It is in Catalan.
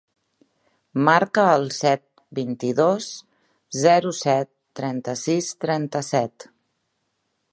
Marca el set, vint-i-dos, zero, set, trenta-sis, trenta-set.